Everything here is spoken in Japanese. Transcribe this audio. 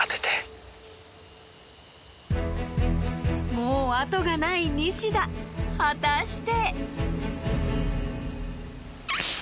［もう後がないニシダ果たして］